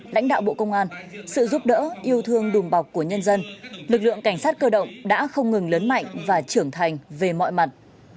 lãnh đạo bộ công an sự giúp đỡ yêu thương đùm bọc của nhân dân lực lượng cảnh sát cơ động đã không ngừng lớn mạnh và trưởng thành về mọi mặt